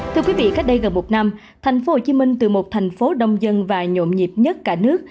thưa quý vị cách đây gần một năm thành phố hồ chí minh từ một thành phố đông dân và nhộn nhịp nhất cả nước